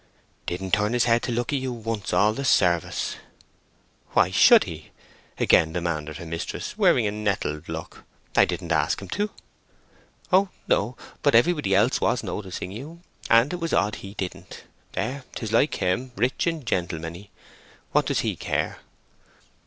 "Didn't turn his head to look at you once all the service." "Why should he?" again demanded her mistress, wearing a nettled look. "I didn't ask him to." "Oh no. But everybody else was noticing you; and it was odd he didn't. There, 'tis like him. Rich and gentlemanly, what does he care?"